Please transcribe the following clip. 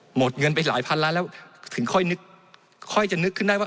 หมดเงินไปหลายพันล้านแล้วถึงค่อยนึกค่อยจะนึกขึ้นได้ว่า